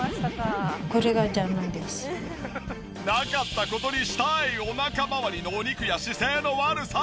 なかった事にしたいお腹まわりのお肉や姿勢の悪さ。